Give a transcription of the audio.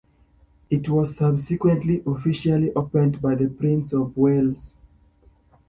It was subsequently officially opened by the Prince of Wales.